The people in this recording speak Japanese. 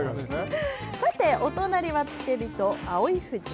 さて、お隣は付き人、蒼富士。